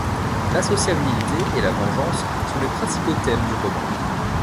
L'asociabilité et la vengeance sont les principaux thèmes du roman.